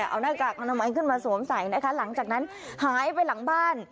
เอาหน้ากากอนามัยขึ้นมาสวมใส่นะคะหลังจากนั้นหายไปหลังบ้าน